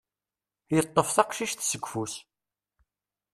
Yeṭṭef taqcict seg ufus.